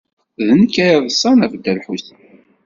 D nekk ay yeḍsan ɣef Dda Lḥusin.